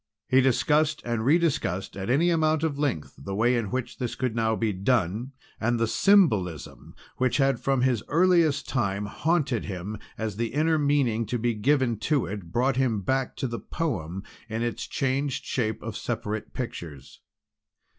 "He discussed and rediscussed at any amount of length the way in which this could now be done and the Symbolism, which had from his earliest time haunted him as the inner meaning to be given to it, brought him back to the Poem in its changed shape of separate pictures.